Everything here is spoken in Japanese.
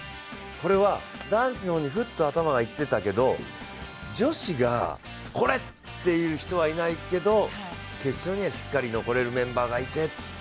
これは男子の方にふっと頭がいってたけど女子がこれっていう人がいないけど、決勝にはしっかり残れるメンバーがいて。